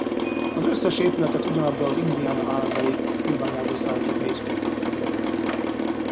Az összes épületet ugyanabból az Indiana állambeli kőbányából szállított mészkő burkolja.